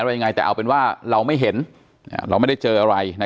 ยังไงแต่เอาเป็นว่าเราไม่เห็นเราไม่ได้เจออะไรนะ